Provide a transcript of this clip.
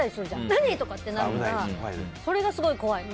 何？ってなるのがそれがすごい怖い。